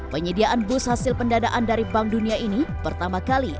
penyediaan bus hasil pendanaan dari bank dunia ini pertama kali